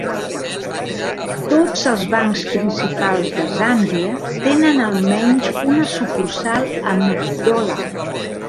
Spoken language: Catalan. Tots els bancs principals de Zàmbia tenen almenys una sucursal a Ndola.